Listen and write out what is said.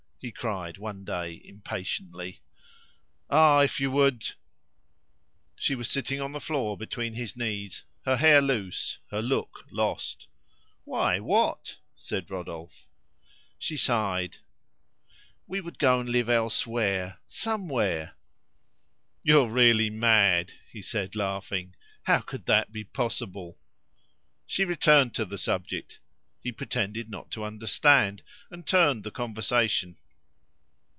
he cried one day impatiently. "Ah! if you would " She was sitting on the floor between his knees, her hair loose, her look lost. "Why, what?" said Rodolphe. She sighed. "We would go and live elsewhere somewhere!" "You are really mad!" he said laughing. "How could that be possible?" She returned to the subject; he pretended not to understand, and turned the conversation.